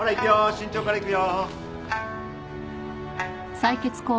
身長から行くよ。